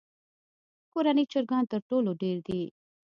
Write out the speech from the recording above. کورني چرګان تر ټولو ډېر دي.